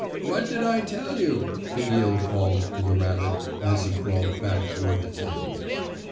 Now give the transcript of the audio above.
"What did I tell you?" the eel called to the rabbit, as he crawled back toward the tin.